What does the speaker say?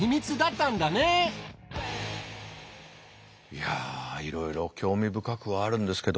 いやいろいろ興味深くはあるんですけども。